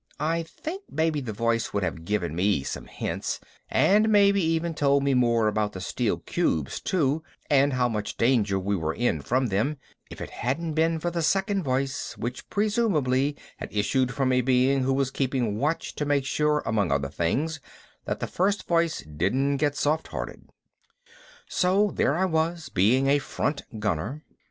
(I think maybe the voice would have given me some hints and maybe even told me more about the steel cubes too and how much danger we were in from them if it hadn't been for the second voice, which presumably had issued from a being who was keeping watch to make sure among other things that the first voice didn't get soft hearted.) So there I was being a front gunner.